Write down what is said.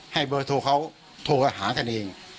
ให้เบอร์โทรเขาโทรหากันเอง